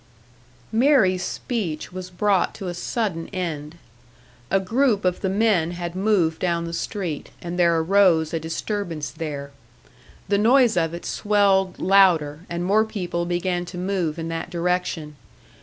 Mary's speech was brought to a sudden end. A group of the men had moved down the street, and there arose a disturbance there. The noise of it swelled louder, and more people began to move in that direction.